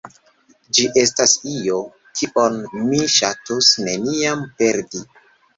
Ĝi estas io, kion mi ŝatus neniam perdi.